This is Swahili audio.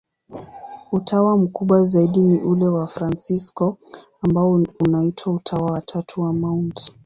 Utawa mkubwa zaidi ni ule wa Wafransisko, ambao unaitwa Utawa wa Tatu wa Mt.